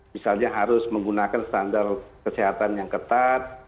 misalnya harus menggunakan standar kesehatan yang ketat